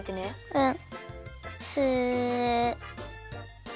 うん。